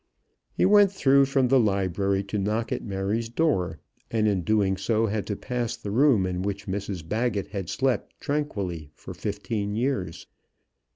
He went through from the library to knock at Mary's door, and in doing so, had to pass the room in which Mrs Baggett had slept tranquilly for fifteen years.